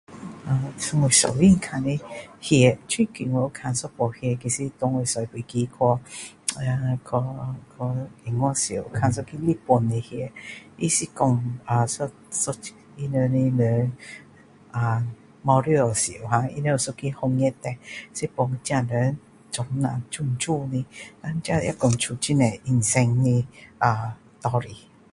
我喜欢看的戏最近我有看一部戏其实给我坐飞机去啊去去去中国时有看一个日本的戏它是说啊一一他们的人啊去世时他们有一个蛮严重是说这些人装了漂漂亮然后这也说出很多一生的道理